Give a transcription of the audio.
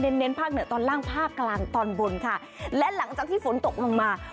เน้นภาคเหนือตอนล่างภาคกลางตอนบนค่ะและหลังจากที่ฝนตกลงมา